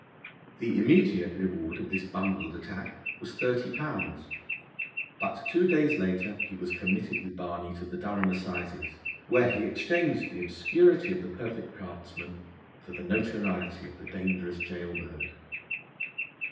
The immediate reward of this bungled attack was thirty pounds, but two days later he was committed with Barney to the Durham Assizes, where he exchanged the obscurity of the perfect craftsman for the notoriety of the dangerous gaol bird.